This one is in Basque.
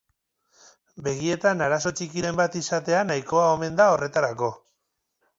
Begietan arazo txikiren bat izatea nahikoa omen da horretarako.